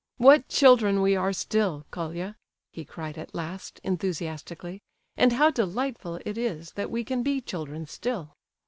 "What children we are still, Colia!" he cried at last, enthusiastically,—"and how delightful it is that we can be children still!"